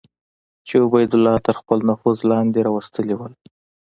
چې عبیدالله تر خپل نفوذ لاندې راوستلي وو.